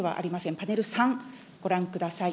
パネル３、ご覧ください。